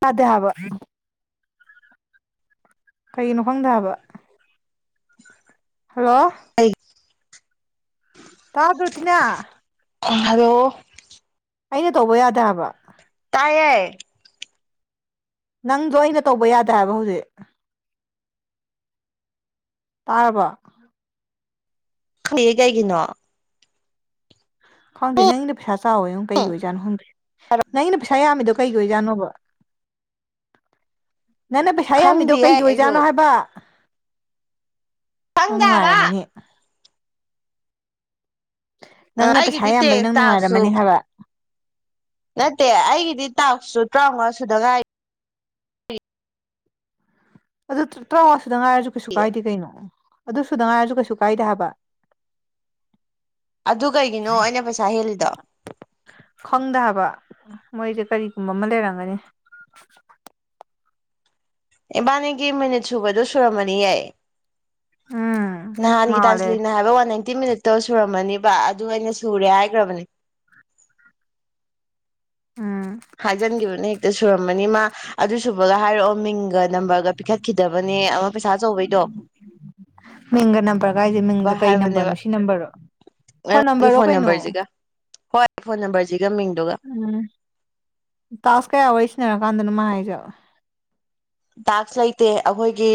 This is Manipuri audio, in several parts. ꯄꯗꯦ ꯍꯥꯕ ꯀꯩꯒꯤꯅꯣ ꯈꯪꯗꯦ ꯍꯥꯏꯕ ꯍꯜꯂꯣ [unintelligible] ꯑꯩ ꯇꯥꯗ꯭ꯔꯣ ꯇꯤꯅꯥ [unintelligible] ꯍꯜꯂꯣ ꯑꯩꯅ ꯇꯧꯕ ꯌꯥꯗꯦ ꯍꯥꯏꯕ ꯇꯥꯏꯌꯦ ꯅꯪꯗꯣ ꯑꯩꯅ ꯇꯧꯕ ꯌꯥꯗꯦ ꯍꯥꯏꯕ ꯍꯧꯖꯤꯛ ꯇꯥꯔꯕꯣ ꯈꯩꯗꯦ ꯀꯩꯒꯤꯅꯣ ꯈꯪꯗꯦ ꯅꯪꯒꯤꯅ ꯄꯩꯁꯥ ꯆꯥꯎꯋꯤꯉꯣ ꯀꯩꯒꯤ ꯑꯣꯏꯖꯥꯠꯅꯣ ꯈꯪꯗꯦ ꯅꯪꯒꯤꯅ ꯄꯩꯁꯥ ꯌꯥꯝꯃꯤꯗꯣ ꯀꯩꯒꯤ ꯑꯣꯏꯖꯥꯠ ꯅꯣꯕ ꯅꯪꯅ ꯄꯩꯁꯥ ꯌꯥꯝꯃꯤꯗꯣ ꯈꯪꯗꯤꯌꯦ ꯀꯩꯒꯤ ꯑꯩꯁꯨ ꯑꯣꯏꯖꯥꯠꯅꯣ ꯍꯥꯏꯕ ꯅꯪ ꯈꯪꯗꯦ ꯍꯥꯏꯕ ꯅꯨꯡꯉꯥꯏꯔꯝꯃꯅꯤ ꯑ ꯅꯪꯅ ꯄꯩꯁꯥ ꯑꯩꯒꯤꯗꯤ ꯌꯥꯝꯕꯩ ꯇꯦꯛ ꯅꯪ ꯇꯥꯛꯁꯨ ꯅꯨꯡꯉꯥꯏꯔꯝꯃꯅꯤ ꯍꯥꯏꯕ ꯅꯠꯇꯦ ꯑꯩꯒꯤꯗꯤ ꯇꯥꯛꯁꯨ ꯇꯔꯥꯎꯉꯥ ꯁꯨꯗ ꯉꯥꯏꯔꯤ ꯑꯗꯨ ꯇꯔꯥꯎꯉꯥꯁꯨꯗ ꯉꯥꯏꯔꯁꯨ ꯀꯩꯁꯨ ꯀꯥꯏꯗꯦ ꯀꯩꯅꯣ ꯑꯗꯨꯁꯨꯗ ꯉꯥꯏꯔꯁꯨ ꯀꯩꯁꯨ ꯀꯥꯏꯗꯦ ꯍꯥꯏꯕ ꯑꯗꯨ ꯀꯩꯒꯤꯅꯣ ꯑꯩꯅ ꯄꯩꯁꯥ ꯍꯦꯜꯂꯤꯗꯣ ꯈꯪꯗꯦ ꯍꯥꯏꯕ ꯃꯣꯏꯁꯦ ꯀꯔꯤꯒꯨꯝꯕ ꯑꯃ ꯂꯩꯔꯝꯒꯅꯤ ꯏꯕꯥꯅꯤꯒꯤ ꯃꯤꯅꯤꯠ ꯁꯨꯕꯗꯣ ꯁꯨꯔꯝꯃꯅꯤ ꯌꯦ ꯎꯝ ꯅꯥꯍꯟꯒꯤ ꯃꯥꯜꯂꯦ ꯇꯥꯟꯁꯂꯤꯟꯅ ꯍꯥꯏꯕ ꯋꯥꯟꯅꯥꯟ ꯐꯤꯐꯇꯤ ꯃꯤꯅꯤꯠꯇꯣ ꯁꯨꯔꯝꯃꯅꯤꯕ ꯑꯗꯨ ꯑꯩꯅ ꯁꯨꯔꯦ ꯍꯥꯏꯒꯔꯕꯅꯦ ꯎꯝ ꯍꯥꯏꯖꯤꯟꯒꯤꯕꯅꯤ ꯍꯦꯛꯇ ꯁꯨꯔꯃꯅꯤ ꯃꯥ ꯑꯗꯨ ꯁꯨꯕꯒ ꯍꯥꯏꯔꯛꯑꯣ ꯃꯤꯡ ꯒ ꯅꯝꯕꯔꯒ ꯄꯤꯈꯠꯈꯤꯗꯕꯅꯦ ꯑꯃ ꯄꯩꯁꯥ ꯑꯆꯧꯕꯩꯗꯣ ꯃꯤꯡꯒ ꯅꯝꯕꯔꯒ ꯀꯥꯏꯗꯩ ꯃꯤꯡꯒ ꯀꯩ ꯍꯥꯏꯕꯅꯦꯕ ꯅꯝꯕꯔꯅꯣ ꯁꯤ ꯅꯝꯕꯔꯔꯣ ꯐꯣꯟ ꯅꯪꯒꯤ ꯅꯝꯕꯔꯔꯣ ꯀꯩꯅꯣ ꯅꯝꯕꯔꯁꯤꯒ ꯍꯣꯏ ꯐꯣꯟ ꯅꯝꯕꯔꯁꯤꯒ ꯃꯤꯡꯗꯨꯒ ꯎꯝ ꯇꯥꯁꯛ ꯀꯌꯥ ꯋꯥꯔꯤ ꯁꯥꯅꯔꯀꯥꯟꯗꯅꯣ ꯃꯥ ꯍꯥꯏꯁꯦ ꯇꯥꯛꯁ ꯂꯩꯇꯦ ꯑꯩꯈꯣꯏꯒꯤ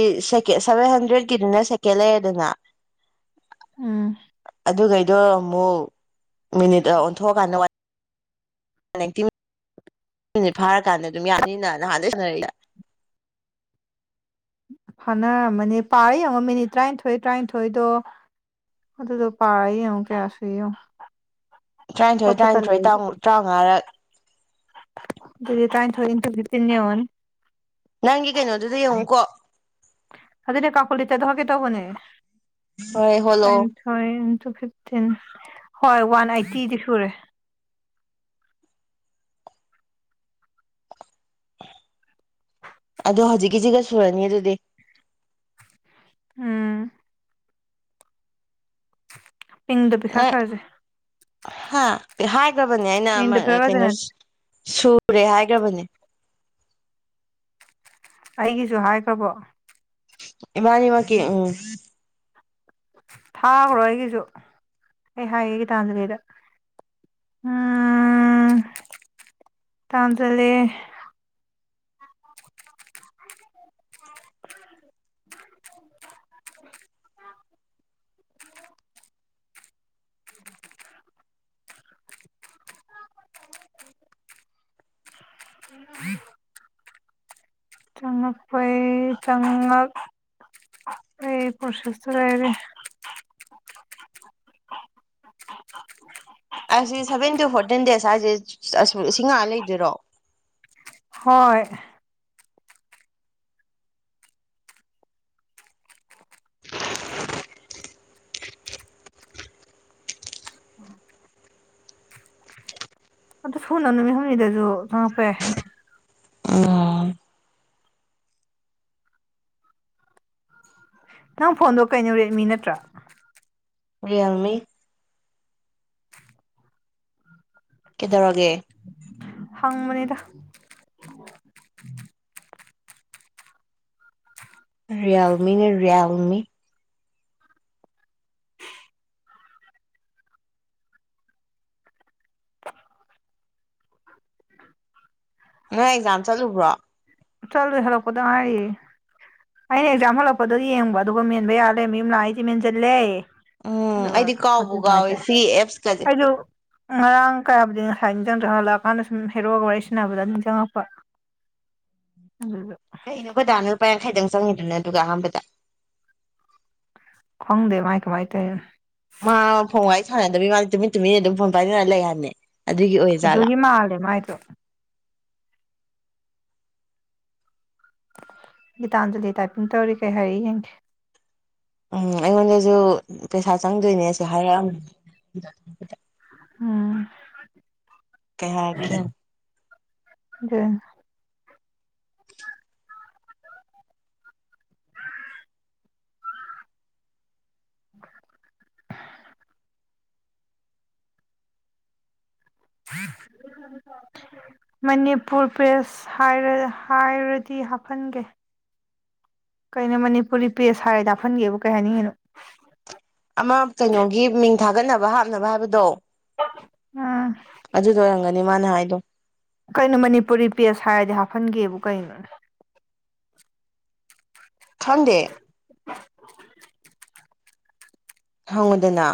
ꯁꯦꯚꯦꯟ ꯍꯟꯗ꯭ꯔꯦꯗꯀꯤꯗꯨꯅ ꯁꯦꯀꯦꯟ ꯂꯩꯔꯦꯗꯅ ꯎꯝ ꯑꯗꯨꯈꯩꯗꯣ ꯑꯃꯨꯛ ꯃꯤꯅꯤꯠ ꯑꯣꯟꯊꯣꯛꯑꯀꯥꯟꯗ [unintelligible] ꯃꯤꯅꯠ ꯐꯥꯔꯀꯥꯟꯗ ꯑꯗꯨꯝ ꯌꯥꯅꯤꯅ ꯅꯍꯥꯟꯗꯒꯤ ꯁꯥꯟꯅꯔꯛꯏꯁꯦ ꯐꯥꯟꯅꯔꯝꯃꯅꯦ ꯄꯥꯔ ꯌꯦꯡꯉꯣ ꯃꯤꯅꯤꯠ ꯇꯔꯥꯅꯤꯊꯣꯏ ꯇꯔꯥꯅꯤꯊꯣꯏꯗꯣ ꯑꯗꯨꯗꯣ ꯄꯥꯔ ꯌꯦꯡꯉꯣ ꯀꯌꯥ ꯁꯨꯏ ꯌꯦꯡꯉꯣ ꯇꯔꯥꯅꯤꯊꯣꯏ ꯍꯣꯠꯄ ꯇꯜꯂꯦ ꯇꯔꯥꯅꯤꯊꯣꯏ ꯑꯩꯖꯨ ꯇꯔꯥꯃꯉꯥ ꯔꯛ ꯑꯗꯨꯗꯤ ꯇ꯭ꯔꯥꯏ ꯊꯣꯏ ꯅꯟꯇꯨ ꯐꯤꯐꯇꯤꯟ ꯌꯦꯉꯣꯅꯦ ꯅꯪꯒꯤ ꯀꯩꯅꯣꯗꯨꯗ ꯌꯦꯡꯉꯨ ꯀꯣꯛ ꯑꯗꯨꯗꯤ ꯀꯥꯜꯀꯨꯂꯦꯇꯔꯗ ꯍꯣꯠꯀꯦ ꯇꯧꯕꯅꯦ ꯍꯣꯏ ꯍꯣꯂꯑꯣ [unintelligible] ꯏꯟꯇꯨ ꯐꯤꯞꯇꯤꯟ ꯍꯣꯏ ꯋꯥꯟ ꯑꯥꯏꯇꯤꯗꯤ ꯁꯨꯔꯦ ꯑꯗꯣ ꯍꯧꯖꯤꯛꯀꯤꯁꯤꯒ ꯁꯨꯔꯅꯤ ꯑꯗꯨꯗꯤ ꯎꯝ ꯏꯪꯗ ꯑꯦ ꯄꯤꯈꯠꯈ꯭ꯔꯁꯦ ꯍꯥ ꯍꯥꯏꯈ꯭ꯔꯕꯅꯦ ꯑꯩꯅ ꯑꯃ ꯃꯤꯡꯗꯣ ꯄꯤꯈꯠꯈ꯭ꯔꯁꯦ ꯀꯩꯅꯣ ꯅꯠ ꯁꯨꯔꯦ ꯍꯥꯏꯒ꯭ꯔꯕꯅꯤ ꯑꯩꯒꯤꯁꯨ ꯍꯥꯏꯈ꯭ꯔꯕꯣ ꯏꯕꯥꯅꯤ ꯃꯛꯀꯤ ꯎꯝ ꯊꯥꯒ꯭ꯔꯣ ꯑꯩꯒꯤꯁꯨ ꯑꯩ ꯍꯥꯏꯒꯦ ꯒꯤꯇꯥꯟꯖꯂꯤꯗ ꯎꯝ ꯇꯥꯟꯊꯂꯦ [inaudible] ꯆꯉꯛꯄꯩ ꯆꯉꯛ ꯑꯩ ꯄ꯭ꯔꯣꯁꯦꯁꯇ ꯂꯩꯔꯤ ꯑꯩꯁꯤ ꯁꯚꯦꯟ ꯇꯨ ꯐꯣꯔꯇꯤꯟ ꯗꯦꯖ ꯍꯥꯏꯁꯤ ꯑꯥ ꯁꯤ ꯉꯥꯢꯔ ꯂꯩꯗꯣꯏꯔꯣ ꯍꯣꯏ ꯑꯗꯨ ꯁꯨꯅ ꯅꯨꯃꯤꯠ ꯍꯨꯝꯅꯤꯗꯁꯨ ꯆꯪꯉꯛꯄ ꯌꯥꯢ ꯎꯝ ꯅꯪ ꯐꯣꯟꯗꯣ ꯀꯩꯅꯣ ꯔꯦꯗꯃꯤ ꯅꯠꯇ꯭ꯔꯥ ꯔꯦꯜꯃꯤ ꯀꯩꯗꯧꯔꯒꯦ ꯍꯪ ꯕꯅꯤꯗ ꯔꯤꯌꯦꯜꯃꯤ ꯅꯦ ꯔꯤꯌꯦꯜꯃꯤ ꯅꯣꯢ ꯑꯦꯛꯖꯥꯝ ꯆꯠꯂꯨꯕ꯭ꯔꯣ ꯆꯂꯨꯏ ꯍꯜꯂꯛꯄꯗ ꯉꯥꯏꯔꯤ ꯑꯩꯅ ꯑꯦꯛꯖꯥꯝ ꯍꯜꯂꯛꯄꯗꯣ ꯌꯦꯡꯕ ꯑꯗꯨꯒ ꯃꯦꯟꯕ ꯌꯥ ꯂꯩꯔꯝꯃꯦ ꯌꯨꯝ ꯂꯥꯛꯑ ꯑꯩꯗꯤ ꯃꯦꯟꯖꯤꯜꯂꯦ ꯎꯝ ꯑꯗꯨꯒ ꯑꯩꯗꯤ [unintelligible] ꯀꯥꯎꯕꯨ ꯀꯥꯎꯋꯦ ꯁꯤ ꯑꯦꯞꯁꯀꯁꯦ ꯑꯧꯗꯨ ꯉꯔꯥꯡ ꯀꯌꯥꯕꯨꯗꯤ ꯉꯁꯥꯏ ꯅꯤꯡꯖꯤꯡꯗ꯭ꯔꯦ ꯍꯜꯂꯛꯑꯀꯥꯟꯗ ꯁꯨꯝ ꯍꯦꯔꯣꯒ ꯋꯥꯔꯤ ꯁꯟꯅꯕꯗ ꯅꯤꯡꯖꯪꯉꯛꯄ ꯑꯗꯨꯗꯨ ꯀꯩꯅꯣ ꯈꯣꯢ ꯗꯥꯅ ꯂꯄꯥ ꯌꯥꯡꯈꯩꯗꯪ ꯆꯪꯉꯤꯗꯨꯅ ꯑꯗꯨꯒ ꯑꯍꯥꯟꯕꯗ ꯈꯪꯗꯦ ꯃꯥꯥꯏ ꯀꯃꯥꯥꯏ ꯇꯧꯔꯤꯅꯣ ꯃꯥ ꯐꯣꯟ ꯋꯥꯔꯤ ꯁꯥꯟꯅꯗꯕꯤ ꯃꯥꯗꯤ ꯇꯨꯃꯤꯟ ꯇꯨꯃꯤꯟꯅ ꯑꯗꯨꯝ ꯐꯣꯟ ꯄꯥꯏꯅꯔ ꯂꯩ ꯍꯥꯢꯕꯅꯦ ꯑꯗꯨꯒꯤ ꯃꯥꯥꯜꯂꯦ ꯃꯥꯥꯏꯗꯣ ꯒꯤꯇꯥꯟꯖꯜꯂꯤ ꯇꯥꯏꯄꯤꯡ ꯇꯧꯔꯤ ꯀꯩ ꯍꯥꯏꯔꯛꯏ ꯌꯦꯡꯒꯦ ꯎꯝ ꯑꯩꯉꯣꯟꯗꯁꯨ ꯄꯩꯁꯥ ꯆꯪꯗꯣꯏꯅꯦꯁꯨ ꯍꯥꯏꯔꯛꯑꯝꯃꯤ ꯎꯝ ꯀꯩ ꯍꯥꯏꯔꯛꯀꯦ ꯌꯦꯡꯉꯣ ꯑꯗꯨꯅꯤ [inaudible] [inaudible] ꯃꯅꯤꯄꯨꯔ ꯄ꯭ꯔꯦꯁ ꯍꯥꯢꯔ ꯍꯥꯏꯔꯗꯤ ꯍꯥꯞꯍꯟꯒꯦ ꯀꯩꯅꯣ ꯃꯅꯤꯄꯨꯔꯤ ꯄꯦꯖ ꯍꯥꯏꯔꯦ ꯅꯄꯜꯒꯦꯕꯨ ꯀꯩ ꯍꯥꯏꯅꯤꯡꯉꯤꯅꯣ ꯑꯃ ꯀꯩꯅꯣꯒꯤ ꯃꯤꯡ ꯊꯥꯒꯠꯅꯕ ꯍꯥꯞꯅꯕ ꯍꯥꯏꯕꯗꯣ ꯑꯥ ꯑꯗꯨꯗꯣ ꯑꯣꯏꯔꯝꯒꯅꯤ ꯃꯥꯅ ꯍꯥꯏꯗꯣ ꯀꯩꯅꯣ ꯃꯅꯤꯄꯨꯔꯤ ꯄꯦꯁ ꯍꯥꯏꯔꯗꯤ ꯍꯥꯞꯍꯟꯒꯦꯕꯨ ꯀꯩꯅꯣꯅꯦ ꯈꯡꯗꯦ ꯍꯪꯉꯨꯗꯅ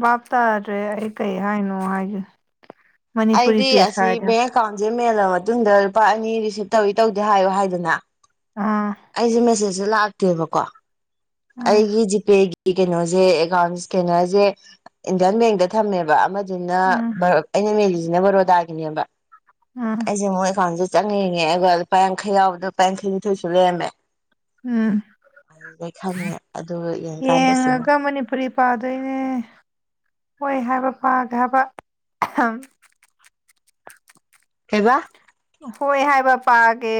ꯚꯥꯞ ꯇꯥꯗ꯭ꯔꯦ ꯑꯩ ꯀꯔꯤ ꯍꯥꯏꯅꯣ ꯍꯥꯏꯒꯦ ꯃꯅꯤꯄꯨꯔꯤ ꯑꯩꯗꯤ ꯄꯦꯁ ꯑꯁꯤ ꯍꯥꯏꯗꯅ ꯕꯦꯡ ꯑꯦꯀꯥꯎꯟꯁꯦ ꯃꯦꯜꯂ ꯃꯇꯨꯡꯗ ꯂꯨꯄꯥ ꯑꯅꯤ ꯔꯤꯁꯤꯞ ꯇꯧꯋꯤ ꯇꯧꯗꯦ ꯍꯥꯏꯌꯨ ꯍꯥꯏꯗꯅ ꯑꯥ ꯑꯩꯁꯤ ꯃꯦꯁꯦꯖ ꯁꯦ ꯂꯥꯛꯇꯦꯕꯀꯣ ꯎꯝ ꯑꯩꯒꯤ ꯖꯤꯄꯦꯒꯤ ꯀꯩꯅꯣꯁꯦ ꯑꯦꯀꯥꯎꯟ ꯏꯁꯀꯦꯅꯔꯁꯦ ꯏꯟꯗꯤꯌꯥꯟ ꯕꯦꯡꯗ ꯊꯝꯃꯦꯕ ꯑꯃ ꯑꯗꯨꯅ ꯎꯝ ꯑꯩꯅ ꯃꯦꯂꯤꯁꯤꯅ ꯕꯔꯣꯗꯥꯒꯤꯅꯦꯕ꯫ ꯎꯝ ꯑꯩꯁꯦ ꯑꯃꯨꯛ ꯑꯦꯀꯥꯎꯟꯁꯦ ꯆꯪꯅꯤꯡꯉꯦ ꯑꯗꯨꯒ ꯂꯨꯄꯥ ꯌꯥꯡꯈꯩ ꯌꯥꯎꯕꯗ ꯂꯨꯄꯥ ꯌꯥꯡꯈꯩꯅꯤꯊꯣꯏꯁꯨ ꯂꯩꯔꯝꯃꯦ꯫ ꯎꯝ [unintelligible] ꯑꯗꯨꯒ ꯌꯦ ꯌꯦꯡꯉꯒ ꯃꯅꯤꯄꯨꯔꯤ ꯄꯥꯗꯣꯏꯅꯦ ꯍꯣꯏ ꯍꯥꯏꯕ ꯄꯥꯒꯦ ꯍꯥꯏꯕ꯫ ꯀꯩꯕꯥ? ꯍꯣꯏ ꯍꯥꯏꯕ ꯄꯥꯒꯦ꯫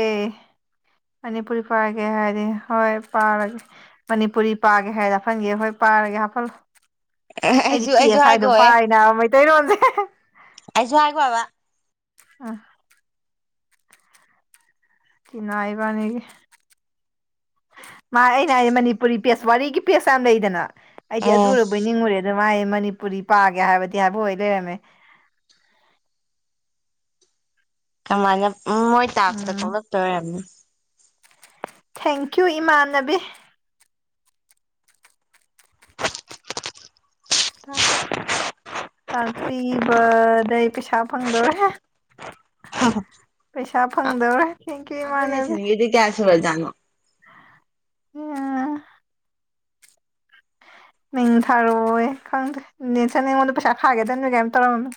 ꯃꯅꯤꯄꯨꯔꯤ ꯄꯥꯔꯒꯦ ꯍꯥꯏꯔꯗꯤ ꯍꯣꯏ ꯄꯥꯔꯒꯦ꯫ ꯃꯅꯤꯄꯨꯔꯤ ꯄꯥꯒꯦ ꯍꯥꯏꯔꯗ ꯍꯥꯐꯟꯒꯦ ꯍꯣꯏ ꯄꯥꯔꯒꯦ ꯍꯥꯞꯐꯜꯂꯣ꯫ ꯑꯩꯗꯤ ꯑꯩꯁꯨ ꯑꯩꯁꯨ ꯄꯦꯁ ꯍꯥꯏꯗꯣ ꯍꯥꯏꯒꯣꯍꯦ ꯄꯥꯏ ꯅꯕ ꯃꯩꯇꯩꯔꯣꯜ ꯖꯦ꯫ ꯑꯁꯨ ꯍꯥꯏ ꯒꯣ ꯍꯥꯏꯕ ꯫ ꯑ ꯇꯤꯅꯥ ꯏꯕꯥꯅꯤꯒꯤ ꯃꯥ ꯑꯩꯅ ꯍꯥꯏ ꯃꯅꯤꯄꯨꯔꯤ ꯄꯦꯖ ꯋꯥꯔꯤꯒꯤ ꯄꯦꯖ ꯌꯥꯝ ꯂꯩꯗꯅ ꯑꯩꯗꯤ ꯑꯦ ꯑꯗꯨꯔꯕꯣꯏ ꯅꯤꯡꯉꯨꯔꯦ ꯑꯗꯨ ꯃꯥꯥꯏ ꯃꯅꯤꯄꯨꯔꯤ ꯄꯥꯒꯦ ꯍꯥꯏꯕꯗꯤ ꯍꯥꯏꯕꯍ ꯑꯣꯏ ꯂꯩꯔꯝꯃꯦ꯫ ꯀꯃꯥꯏꯅ ꯎ ꯃꯣꯏ ꯇꯥꯛꯁꯇ ꯎꯝ ꯊꯣꯛꯂꯛꯇꯣꯏ ꯑꯣꯏꯔꯝꯅꯤ꯫ ꯊꯦꯡꯀ꯭ꯌꯨ ꯏꯃꯥꯟꯅꯕꯤ꯫ ꯇꯥꯛꯄꯤꯕꯗꯩ ꯄꯩꯁꯥ ꯐꯪꯗꯧꯔꯦ ꯍꯦ ꯄꯩꯁꯥ ꯐꯪꯗꯧꯔꯦ ꯊꯦꯡꯀ꯭ꯌꯨ ꯑꯩꯈꯣꯏ ꯏꯃꯥꯟꯅꯕꯤ꯫ ꯅꯦꯁꯟꯒꯤꯗꯤ [unintelligible] [unintelligible] ꯃꯤꯡ ꯊꯥꯔꯣ ꯑꯣꯌꯦ ꯈꯪꯗ꯭ꯔꯦ ꯅꯦꯜꯁꯟ ꯑꯩꯉꯣꯟꯗ ꯄꯩꯁꯥ ꯈꯥꯏꯒꯗꯝꯅꯤ ꯀꯥꯏ ꯇꯧꯔꯝꯃꯤ꯫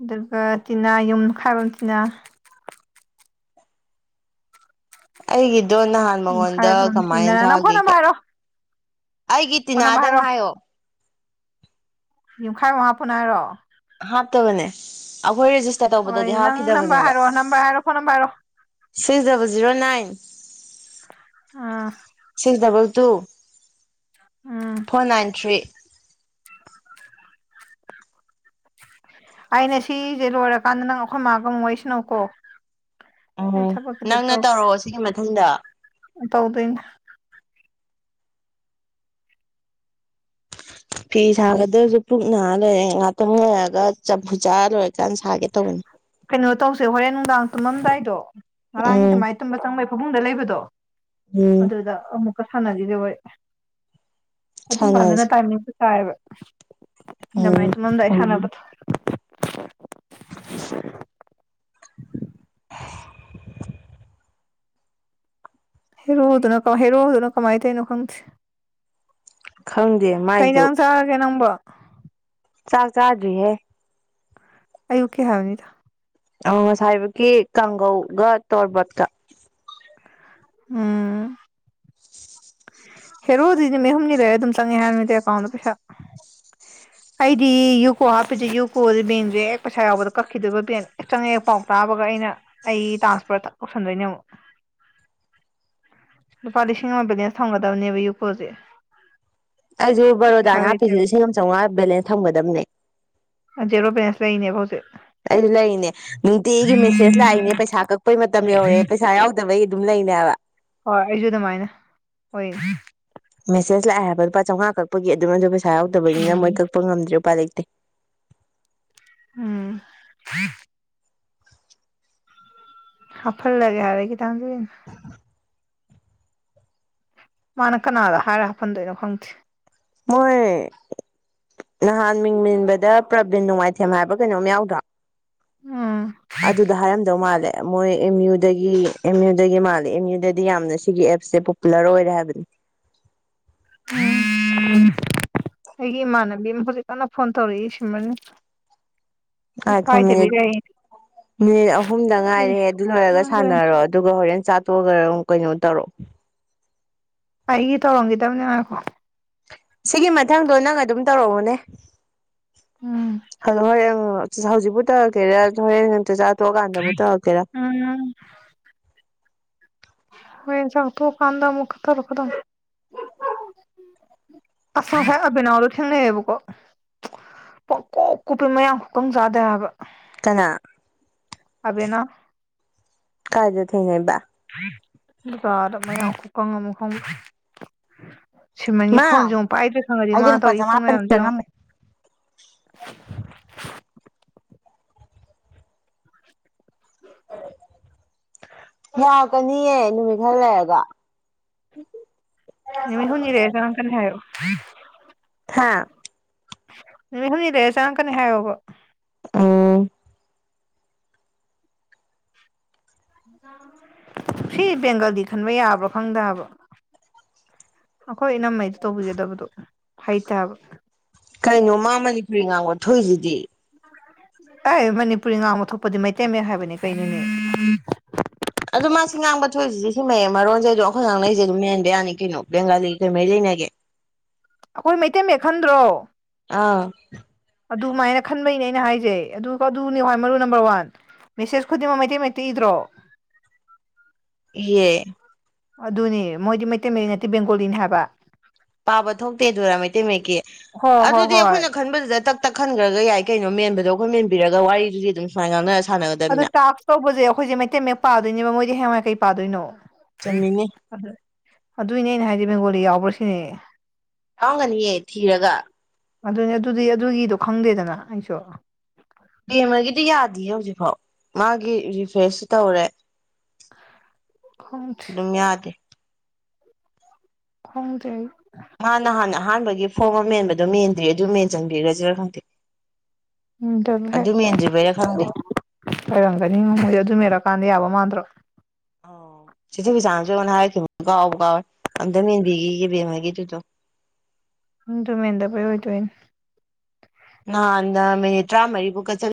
ꯑꯗꯨꯒ ꯇꯤꯅꯥ ꯌꯨꯝꯈꯥꯏꯕꯝ ꯇꯤꯅꯥ ꯑꯩꯒꯤꯗꯣ ꯅꯍꯥꯟ ꯃꯉꯣꯟꯗ ꯌꯨꯝꯈꯥꯏꯕꯝ ꯀꯃꯥꯏ ꯇꯤꯅꯥ ꯅꯪ ꯐꯣꯟ ꯊꯥꯒꯤꯒꯦ? ꯅꯝꯕꯔ ꯍꯥꯏꯔꯣ ꯑꯩꯒꯤ ꯐꯣꯟ ꯅꯝꯕꯔ ꯇꯤꯅꯥꯗꯪ ꯍꯥꯏꯔꯣ ꯍꯥꯏꯌꯣ꯫ ꯌꯨꯝꯈꯥꯏꯕꯝ ꯍꯥꯞꯄꯨꯅꯨ ꯍꯥꯏꯔꯣ? ꯍꯥꯞꯇꯕꯅꯦ ꯑꯈꯣꯏ ꯔꯦꯖꯤꯁꯇꯔ ꯍꯣꯏ ꯇꯧꯕꯗꯗꯤ ꯅꯪ ꯅꯝꯕꯔ ꯍꯥꯞꯈꯤꯗꯕꯅꯦꯕ꯫ ꯍꯥꯏꯔꯣ ꯅꯝꯕꯔ ꯍꯥꯏꯔꯣ ꯐꯣꯟ ꯅꯝꯕꯔ ꯍꯥꯏꯔꯣ ꯁꯤꯛꯁ ꯗꯕꯜ ꯖꯤꯔꯣ ꯅꯥꯏꯟ ꯑꯥ six double two um four nine three ꯑꯩꯅ ꯁꯤꯖꯦ ꯂꯣꯏꯔꯀꯥꯟꯗ ꯅꯪ ꯑꯈꯣꯏ ꯃꯥꯒ ꯃꯨꯛ ꯋꯥꯔꯤ ꯁꯥꯅꯧꯀꯣ꯫ ꯎꯝ ꯅꯪꯅ ꯇꯧꯔꯛꯑꯣ ꯁꯤꯒꯤ ꯃꯊꯪꯗ꯫ ꯇꯧꯗꯣꯏꯅꯤ ꯐꯤ ꯁꯥꯒꯗꯕꯁꯨ ꯄꯨꯛ ꯅꯥꯔꯦ ꯂꯩꯔꯦ ꯉꯍꯥꯛꯇꯪ ꯂꯩꯔꯒ ꯆꯝꯐꯨꯠ ꯆꯥ ꯂꯣꯏꯔꯀꯥꯟꯗ ꯁꯥꯒꯦ ꯇꯧꯕꯅꯤ꯫ ꯀꯩꯅꯣ ꯇꯧꯁꯦ ꯍꯣꯔꯦꯟ ꯅꯨꯡꯗꯥꯡ ꯇꯨꯝꯃꯝꯗꯥꯏꯗꯣ ꯉꯔꯥꯡꯒꯤ ꯎꯝ ꯑꯗꯨꯃꯥꯏꯅ ꯇꯨꯝꯕ ꯆꯪꯕꯩ ꯐꯃꯨꯡꯗ ꯂꯩꯕꯗꯣ ꯎꯝ ꯑꯗꯨꯗ ꯑꯃꯨꯛꯀ ꯁꯥꯟꯅꯈꯤꯁꯦ ꯍꯣꯏ ꯑꯗꯨꯝ ꯀꯥꯟꯗꯅ ꯁꯥꯟꯅꯁꯦ ꯇꯥꯏꯃꯤꯡ ꯇꯥꯏꯑꯕ ꯑꯗꯨꯃꯥꯏꯅ ꯎꯝ ꯇꯨꯝꯃꯝꯗꯥꯏ ꯁꯥꯟꯅꯕ ꯍꯦꯔꯣꯗꯨꯅ ꯀꯃꯥꯏ ꯍꯦꯔꯣꯗꯨꯅ ꯀꯃꯥꯏꯅ ꯇꯧꯔꯤꯅꯣ ꯈꯪꯗꯦ꯫ ꯈꯪꯗꯦ ꯃꯥꯏꯁꯨ ꯀꯩꯖꯥꯡ ꯆꯥꯔꯒꯦ ꯅꯪꯕꯣ? ꯆꯥꯛ ꯆꯥꯗ꯭ꯔꯤ ꯍꯦ ꯑꯌꯨꯛꯀꯤ ꯍꯥꯏꯕꯅꯤꯗ ꯑ ꯉꯁꯥꯏꯕꯨꯒꯤ ꯀꯥꯡꯒꯧꯒ ꯇꯣꯔꯕꯤꯠꯀ꯫ ꯎꯝ ꯍꯦꯔꯣꯗꯤ ꯅꯨꯃꯤꯠ ꯍꯨꯝꯅꯤ ꯂꯩꯔ ꯑꯗꯨꯝ ꯆꯪꯉꯦ ꯍꯥꯏꯅꯤꯗ ꯑꯦꯀꯥꯎꯟꯗ ꯄꯩꯁꯥ꯫ [inaudible] ꯑꯩꯗꯤ ꯌꯨꯀꯣ ꯍꯥꯞꯄꯤꯖꯦ ꯌꯨꯀꯣꯖꯦ ꯕꯦꯡꯖꯦ ꯍꯦꯛ ꯄꯩꯁꯥ ꯌꯥꯎꯕꯗ ꯀꯛꯈꯤꯗꯣꯏꯕ ꯕꯦꯡ ꯍꯦꯛ ꯆꯡꯉꯛꯑꯦ ꯄꯥꯎ ꯇꯥꯕꯒ ꯑꯩꯅ ꯑꯩ ꯇ꯭ꯔꯥꯟꯁꯄꯣꯔꯠꯇ ꯊꯕꯛ ꯇꯧꯁꯟꯗꯣꯏꯅꯦ ꯑꯃꯨꯛ꯫ [inaudible] ꯂꯨꯄꯥ ꯂꯤꯁꯤꯡ ꯑꯃ ꯕꯦꯂꯦꯟꯁ ꯊꯝꯒꯗꯕꯅꯦꯕ ꯌꯨꯀꯣꯁꯦ ꯑꯩꯁꯨ ꯕꯔꯣꯗꯥꯏ ꯄꯩꯁꯥ ꯍꯥꯞꯄꯤꯁꯦ ꯂꯩꯇꯦꯕ ꯂꯤꯁꯤꯡ ꯑꯃ ꯆꯧꯉꯥ ꯕꯦꯂꯦꯟꯁ ꯊꯝꯒꯗꯕꯅꯦ ꯑꯟ ꯖꯦꯔꯣ ꯕꯦꯂꯦꯟꯁ ꯂꯩꯅꯦꯕ ꯍꯧꯖꯤꯛ ꯑꯩꯗꯤ ꯂꯩꯔꯤꯅꯦ ꯅꯨꯡꯇꯤꯒꯤ ꯃꯦꯁꯦꯖ ꯂꯥꯛꯏꯅꯦ ꯄꯩꯁꯥ ꯀꯛꯄꯩ ꯃꯇꯝ ꯌꯧꯔꯦ ꯄꯩꯁꯥ ꯌꯥꯎ ꯗꯕꯩ ꯑꯗꯨꯝ ꯂꯩꯅꯦꯕ ꯍꯣꯏ ꯑꯩꯁꯨ ꯑꯗꯨꯃꯥꯏꯅ ꯍꯣꯏ ꯃꯦꯁꯦ ꯂꯥꯛꯑꯦ ꯍꯥꯏꯕ ꯂꯨꯄꯥ ꯆꯝꯉꯥ ꯀꯄ ꯑꯗꯨꯗ ꯄꯩꯁ ꯌꯥꯗꯕꯅ ꯃꯣꯏ ꯀꯛꯄ ꯉꯝꯗ꯭ꯔꯦ ꯂꯨꯄꯥ ꯂꯩꯇꯦ ꯎꯝ ꯍꯥꯞꯐꯍꯜꯂꯒꯦ [unintelligible] ꯃꯥꯅ ꯀꯅꯥꯗ ꯍꯥꯏꯔꯒ ꯍꯥꯞꯐꯟꯗꯣꯏꯅꯣ ꯈꯪꯗꯦ ꯃꯣꯏ ꯅꯍꯥꯟ ꯃꯤꯡ ꯃꯦꯟꯕꯗ ꯄ꯭ꯔꯕꯤꯟ ꯅꯣꯡꯃꯥꯏꯊꯦꯝ ꯍꯥꯏꯕ꯭ꯔ ꯀꯩꯅꯣꯝ ꯌꯥꯎꯗ꯭ꯔꯣ ꯎꯝ ꯑꯗꯨꯗ ꯍꯥꯏꯔꯝꯗꯧ ꯃꯥꯜꯂꯦ ꯃꯣꯏ ꯑꯦꯝ ꯌꯨꯗꯒꯤ ꯑꯦꯝ ꯌꯨꯗꯒꯤ ꯃꯥꯜꯂꯦ ꯑꯦꯝ ꯌꯨꯗꯗꯤ ꯌꯥꯝꯅ ꯁꯤꯒꯤ ꯑꯦꯞꯁꯦ ꯄꯣꯄꯨꯂꯔ ꯑꯣꯏꯔꯦ ꯍꯥꯏꯕꯅꯤ [inaudible] ꯑꯩꯒꯤ ꯏꯃꯥꯟꯅꯕꯤ ꯑꯃ ꯍꯧꯖꯤꯛ ꯀꯟꯅ ꯐꯣꯟ ꯇꯧꯔꯛꯏ ꯁꯤꯃꯅꯤ ꯑꯈꯣ ꯃꯤꯅꯤꯠ ꯃꯤꯅꯤꯠ ꯑꯍꯨꯝꯗ ꯉꯥꯏꯔꯦ ꯑꯗꯨ ꯂꯣꯏꯔꯒ ꯁꯥꯟꯅꯔꯣ ꯑꯗꯨꯒ ꯍꯣꯔꯦꯟ ꯆꯥꯊꯣꯛꯑꯒ ꯀꯩꯅꯣ ꯇꯧꯔꯛꯑꯣ ꯑꯩꯒꯤ ꯇꯧꯔꯝꯒꯤꯗꯕꯅꯦ ꯉꯥꯏꯈꯣ ꯁꯤꯒꯤ ꯃꯊꯪꯗꯣ ꯅꯪ ꯑꯗꯨꯝ ꯇꯧꯔꯛꯎꯅꯦ ꯎꯝ [unintelligible] ꯍꯧꯖꯤꯛꯄꯨ ꯇꯧꯔꯛꯀꯦꯔꯥ ꯍꯣꯔꯦꯟ ꯅꯪ ꯆꯆꯥꯥ ꯇꯣꯛꯑꯀꯥꯟꯗꯕꯨ ꯇꯧꯔꯛꯀꯦꯔꯥ [unintelligible] ꯍꯣꯔꯦꯟ ꯆꯥꯛ ꯇꯣꯛꯀꯥꯟꯗ ꯑꯃꯨꯛꯀ ꯇꯧꯔꯛꯀꯗꯕꯅꯤ ꯑꯁ ꯉꯁꯥꯏ ꯑꯕꯤꯅꯥꯎꯗꯣ ꯊꯦꯡꯅꯩꯌꯦꯕꯀꯣ ꯄꯪ ꯀꯨꯞ ꯀꯨꯞꯄꯦ ꯃꯌꯥꯡ ꯈꯨꯀꯪ ꯆꯥꯗꯦ ꯍꯥꯏꯕ ꯀꯅꯥ ꯑꯕꯦꯅꯥ ꯀꯥꯏꯗ ꯊꯦꯡꯅꯩꯕ [unintelligible] ꯃꯌꯥꯡ ꯈꯨꯀꯪ ꯑꯃ ꯈꯪ ꯁꯤꯃꯟꯒꯤ ꯐꯣꯟꯁꯨ ꯃꯥ ꯑꯃꯨꯛ ꯄꯥꯏꯗ꯭ꯔꯦ ꯈꯪꯉꯗꯤ ꯑꯩꯗꯤ ꯃꯥ ꯂꯨꯄꯥ ꯇꯧꯔꯤꯛꯒꯤ ꯐꯣꯟ ꯆꯃꯥꯄꯟ ꯃꯌꯥꯝꯁꯨ ꯆꯪꯉꯝꯃꯦ ꯌꯥꯔꯛꯀꯅꯤꯌꯦ ꯅꯨꯃꯤꯠ ꯈꯔ ꯂꯩꯔꯒ ꯃꯤ ꯍꯨꯝꯅꯤ ꯂꯩꯔ ꯆꯪꯉꯛꯀꯅꯤ ꯍꯥꯏꯌꯣ ꯍꯥ ꯅꯨꯃꯤꯠ ꯍꯨꯝꯅꯤ ꯂꯩꯔ ꯆꯪꯉꯛꯀꯅꯤ ꯍꯥꯏꯌꯣꯕ ꯎꯝ ꯁꯤ ꯕꯦꯡꯒꯜꯗꯤ ꯈꯟꯕ ꯌꯥꯕ꯭ꯔꯥ ꯈꯪꯗꯕ ꯑꯩꯈꯣꯏ ꯏꯅꯝꯃꯩꯗꯨ ꯇꯧꯕꯤꯒꯗꯕꯗꯣ ꯍꯩꯇꯦ ꯍꯥꯏꯕ ꯀꯩꯅꯣ ꯃꯥ ꯃꯅꯤꯄꯨꯔꯤ ꯉꯥꯡꯕ ꯊꯣꯛꯏꯗꯨꯗꯤ ꯑꯥꯏ ꯃꯅꯤꯄꯨꯔꯤ ꯉꯥꯡꯕ ꯊꯣꯛꯄꯗꯤ ꯃꯩꯇꯩ ꯃꯌꯦꯛ ꯍꯥꯏꯕꯅꯤ ꯀꯩꯅꯣꯅꯦ ꯑꯗꯣ ꯃꯥ ꯁꯤ ꯉꯥꯡꯕ ꯊꯣꯛꯣꯏꯔꯤꯁꯤꯁꯦ ꯁꯤ ꯃꯌꯥꯝ ꯃꯔꯣꯟꯁꯦ ꯑꯗꯨꯝ ꯑꯩꯈꯣꯏ ꯉꯥꯡꯅꯩꯁꯦ ꯑꯗꯨꯝ ꯃꯦꯟꯕ ꯌꯥꯅꯤ ꯀꯩꯅꯣ ꯕꯦꯡꯒꯥꯂꯤꯒ ꯀꯩꯃꯔꯤ ꯂꯩꯅꯒꯦ ꯑꯩꯈꯣꯏ ꯃꯩꯇꯩ ꯃꯌꯦꯛ ꯈꯟꯗ꯭ꯔꯣ ꯑꯥ ꯑꯗꯨꯃꯥꯏꯅ ꯈꯟꯕꯩꯅꯦ ꯑꯩꯅ ꯍꯥꯏꯖꯦ ꯑꯗꯨ ꯑꯗꯨꯅꯦ ꯈꯋꯥꯏ ꯃꯔꯨ ꯅꯝꯕꯔ ꯋꯥꯟ ꯃꯦꯁꯦꯖ ꯈꯨꯗꯤꯃꯛ ꯃꯩꯇꯩꯩ ꯃꯌꯦꯛꯇ ꯏꯗ꯭ꯔꯣ ꯏꯌꯦ ꯑꯗꯨꯅꯦ ꯃꯣꯏꯗꯤ ꯃꯩꯇꯩ ꯃꯌꯦꯛ ꯅꯠꯇꯦ ꯕꯦꯡꯒꯣꯂꯤꯅꯤ ꯍꯥꯏꯕ ꯄꯥꯕ ꯊꯣꯛꯇꯦ ꯑꯗꯨꯔꯥ ꯃꯩꯇꯩ ꯃꯌꯦꯛꯀꯤ ꯍꯣꯏ ꯍꯣꯏ ꯑꯗꯨꯗꯤ ꯍꯣꯏ ꯑꯩꯈꯣꯏꯅ ꯈꯟꯕꯗꯨꯗ ꯇꯛ ꯇꯛ ꯈꯟꯈ꯭ꯔꯒ ꯌꯥꯏ ꯀꯩꯅꯣ ꯃꯦꯟꯕꯗꯣ ꯑꯩꯈꯣꯏ ꯃꯦꯟꯕꯤꯔꯒ ꯋꯥꯔꯤꯗꯨꯗꯤ ꯑꯗꯨꯝ ꯁꯨꯃꯥꯏꯅ ꯉꯥꯡꯅꯔ ꯑꯗꯨ ꯁꯥꯟꯅꯒꯗꯕꯅꯤꯅ ꯇꯥꯛꯁ ꯇꯧꯕꯁꯦ ꯑꯩꯈꯣꯏꯁꯦ ꯃꯩꯇꯩ ꯃꯌꯦꯛ ꯄꯥꯗꯣꯏꯅꯦꯕ ꯃꯣꯏꯗꯤ ꯍꯦꯡꯋꯥꯏ ꯀꯩ ꯄꯥꯗꯣꯏꯅꯣ ꯆꯨꯝꯃꯤꯅꯦ ꯑꯗ ꯑꯗꯨꯏꯅꯦ ꯑꯩꯅ ꯍꯥꯏꯗꯤ ꯕꯦꯡꯒꯣꯂꯤ ꯌꯥꯎꯕ꯭ꯔꯥꯁꯤꯅꯦ ꯌꯥꯎꯒꯅꯤꯌꯦ ꯊꯤꯔꯒ ꯑꯗꯨꯅꯤ ꯑꯗꯨꯗꯤ ꯑꯗꯨꯒꯤꯗꯣ ꯈꯪꯗꯦꯗꯅ ꯑꯩꯁꯨ ꯀꯦꯝꯃꯒꯤꯗꯤ ꯌꯥꯗꯦꯌꯦ ꯍꯧꯖꯤꯛꯐꯥꯎ ꯃꯥꯒꯤ ꯔꯤꯐ꯭ꯔꯦꯁꯁꯨ ꯇꯧꯔꯦ ꯈꯪ ꯑꯗꯨꯝ ꯌꯥꯗꯦ ꯈꯣꯡꯗꯦ ꯃꯥꯅ ꯅꯍꯥꯟ ꯑꯍꯥꯟꯕꯒꯤ ꯐꯣꯔꯝ ꯑꯃ ꯃꯦꯟꯕꯗꯣ ꯃꯦꯟꯗ꯭ꯔꯤ ꯑꯗꯨꯝ ꯃꯦꯟꯖꯟꯕꯤꯔꯖꯤꯔ ꯈꯪꯗꯦ ꯑꯗꯨ ꯃꯦꯟꯗ꯭ꯔꯤꯕꯩꯔꯥ ꯈꯪꯗꯦ ꯑꯣꯏꯔꯝꯒꯅꯤ ꯃꯣꯢꯗꯣ ꯑꯗꯨꯝ ꯃꯦꯜꯂꯀꯥꯟꯗ ꯌꯥꯕ ꯃꯥꯟꯗ꯭ꯔꯣ ꯑꯣ [unintelligible] ꯀꯥꯎꯕ ꯀꯥꯎꯋꯦ ꯑꯝꯇꯪ ꯌꯦꯡꯕꯤꯈꯤꯒꯦ ꯕꯦꯝꯃꯒꯤꯖꯤꯖꯨ ꯎꯝ ꯗꯨ ꯃꯦꯟꯗꯕꯩ ꯑꯣꯏꯗꯣꯏꯅꯤ ꯅꯍꯥꯟꯗ ꯃꯤꯅꯤꯠ ꯇꯔꯥꯃꯔꯤꯕꯨꯀꯥ ꯀꯠꯂꯤ